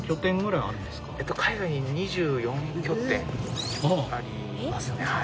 海外に２４拠点ありますね。